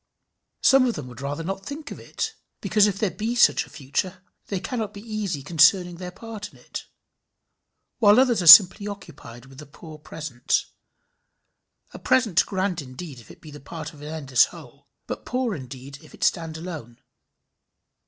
Some of them would rather not think of it, because if there be such a future, they cannot be easy concerning their part in it; while others are simply occupied with the poor present a present grand indeed if it be the part of an endless whole, but poor indeed if it stand alone.